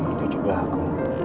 itu juga aku